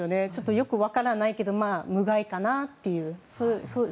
よく分からないけど無害かなという。